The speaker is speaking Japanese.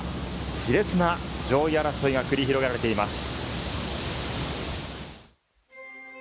し烈な上位争いが繰り広げられています。